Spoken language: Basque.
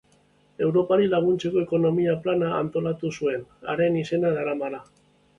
Europari laguntzeko ekonomia-plana antolatu zuen, haren izena daramana.